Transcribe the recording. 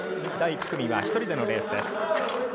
第１組は１人でのレースです。